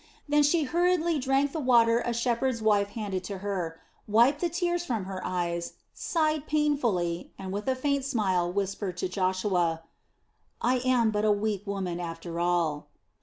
Then she hurriedly drank the water a shepherd's wife handed to her, wiped the tears from her eyes, sighed painfully, and with a faint smile whispered to Joshua: "I am but a weak woman after all."